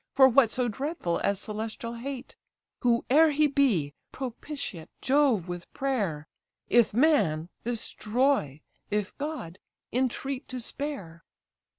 For what so dreadful as celestial hate)? Whoe'er he be, propitiate Jove with prayer; If man, destroy; if god, entreat to spare."